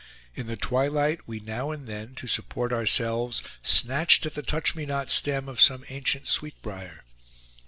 In the twilight, we now and then, to support ourselves, snatched at the touch me not stem of some ancient sweet brier.